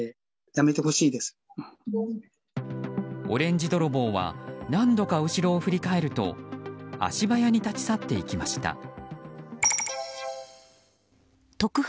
オレンジ泥棒は何度か後ろを振り返ると足早に立ち去っていきました。